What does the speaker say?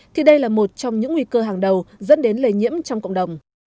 thì đây là một trong những nguy cơ hàng đầu dẫn đến lây nhiễm trong cộng đồng